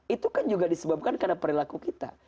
itu kan juga disebabkan karena perilaku kita